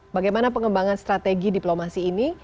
bagaimana pengembangan strategi diplomasi ini